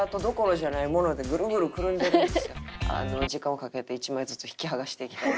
時間をかけて一枚ずつ引きはがしていきたいなと。